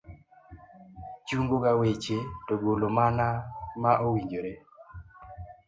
chungo ga weche to golo mana ma owinjore